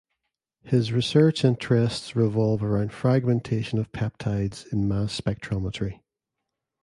His research interests revolve around fragmentation of peptides in mass spectrometry.